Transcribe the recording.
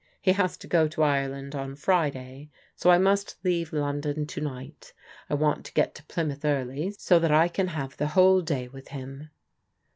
"He has to go to Ireland on Friday, so I must leave London to night. I want to get to Pl)rmouth early, so that I can have the whole day with him."